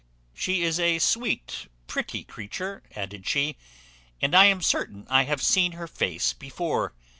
She is a sweet pretty creature," added she, "and I am certain I have seen her face before.